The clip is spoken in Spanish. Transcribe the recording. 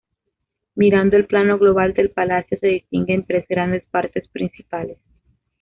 Mirando el plano global del palacio se distinguen tres grandes partes principales.